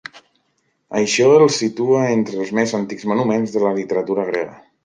Això els situa entre els més antics monuments de la literatura grega.